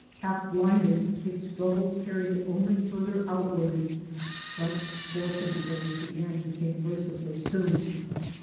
Half blinded, its struggles carried it only farther outward, but fortunately the end came mer cifully soon.